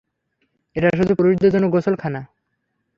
এটা শুধু পুরুষদের জন্য গোসল খানা।